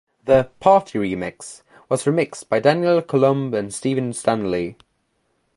The 'Party Remix' was remixed by Daniel Coulombe and Steven Stanley.